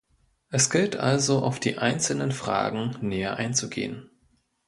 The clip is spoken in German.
Es gilt also, auf die einzelnen Fragen näher einzugehen.